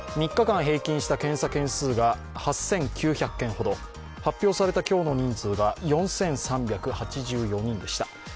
３日間平均した検査件数が８９００件ほど発表された今日の人数は４３８４人でした。